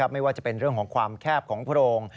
ไม่ว่าจะเป็นเรื่องของความแคบของโพรง